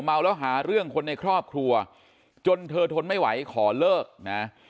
เมาแล้วหาเรื่องคนในครอบครัวจนเธอทนไม่ไหวขอเลิกนะ